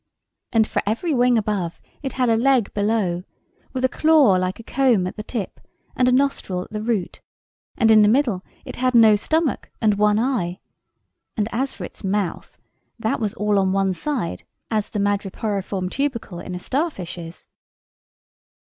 And for every wing above it had a leg below, with a claw like a comb at the tip, and a nostril at the root; and in the middle it had no stomach and one eye; and as for its mouth, that was all on one side, as the madreporiform tubercle in a star fish is.